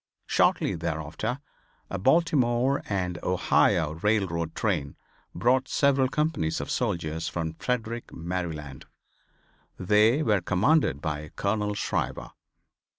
Shortly thereafter a Baltimore and Ohio railroad train brought several companies of soldiers from Frederick, Maryland. They were commanded by Colonel Shriver.